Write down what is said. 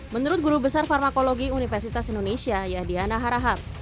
menurut guru besar farmakologi universitas indonesia yadiana harahab